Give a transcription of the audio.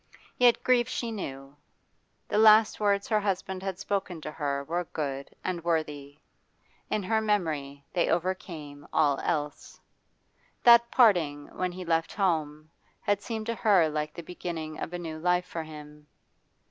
Yet grief she knew. The last words her husband had spoken to her were good and worthy; in her memory they overcame all else. That parting when he left home had seemed to her like the beginning of a new life for him.